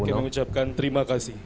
baik saya mengucapkan terima kasih